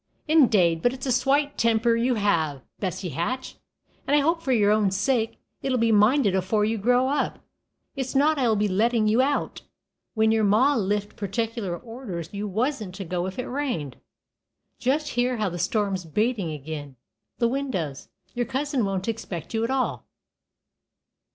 "Indade, but it's a swate timper you have, Bessie Hatch; and I hope for your own sake it'll be minded afore you grow up. It's not I will be lettin' you out, when your ma lift particular orders you wasn't to go if it rained. Just hear how the storm's batin' agin the windows. Your cousin won't expect you at all.